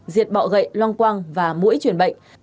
diệt bầu gậy lâm quan và mũi chuyển bệnh